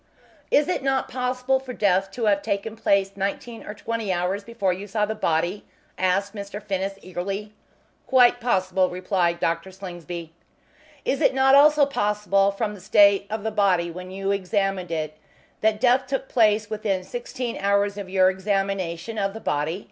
"Is it not possible for death to have taken place nineteen or twenty hours before you saw the body?" asked Mr. Finnis, eagerly. "Quite possible," replied Dr. Slingsby. "Is it not also possible, from the state of the body when you examined it, that death took place within sixteen hours of your examination of the body?"